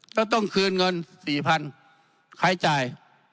ต้องคืนเงิน๔๐๐๐ใครจ่าย